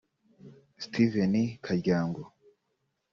Steven Karyango